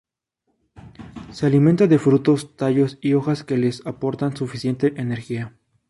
Se alimentan de frutos, tallos y hojas que les aportan suficiente energía.